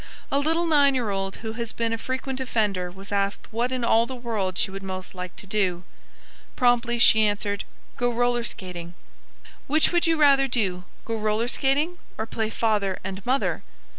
A little nine year old who had been a frequent offender was asked what in all the world she would like most to do. Promptly she answered, "Go roller skating." "Which would you rather do, go roller skating or play 'father and mother?'"